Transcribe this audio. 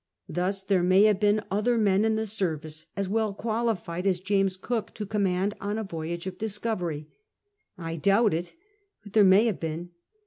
Thus there may have been other men in the service as well qualified as James Cook to command on a voyage of discovery. I doubt it — but there may have been.